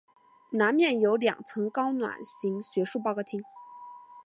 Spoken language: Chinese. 南面有两层高卵形学术报告厅。